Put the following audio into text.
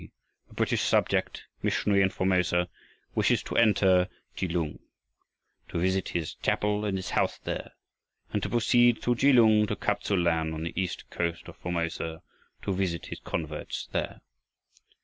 a British subject, missionary in Formosa, wishes to enter Kelung, to visit his chapel and his house there, and to proceed through Kelung to Kap tsu lan on the east coast of Formosa to visit his converts there.